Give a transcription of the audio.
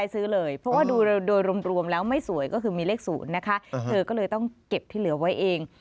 เธอก็เลยต้องเก็บที่เหลือไว้เอง